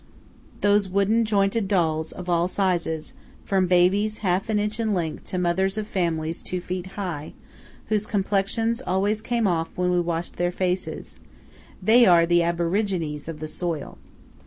Those wooden jointed dolls of all sizes, from babies half an inch in length to mothers of families two feet high, whose complexions always came off when we washed their faces–they are the Aborigines of the soil.